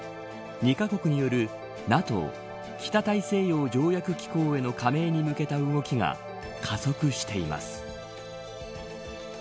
２カ国によるＮＡＴＯ北大西洋条約機構への加盟に向けた動きが加速しています。